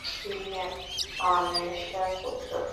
তিনি অনেসার পুত্র।